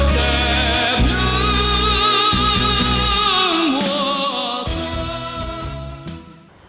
đẹp như mùa xuân